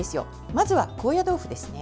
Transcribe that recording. まずは高野豆腐ですね。